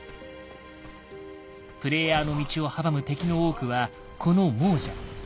プレイヤーの道を阻む敵の多くはこの亡者。